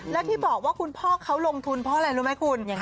แล้วที่บอกว่าคุณพ่อเขาลงทุนเพราะอะไรรู้ไหมคุณ